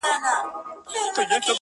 شرنګ د بلبلو په نغمو کي د سیالۍ نه راځي،